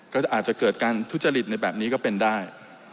ก็อาจจะเกิดการทุจริตในแบบนี้ก็เป็นได้